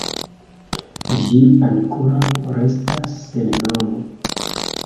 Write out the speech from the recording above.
Ĝi ankoraŭ restas sen nomo.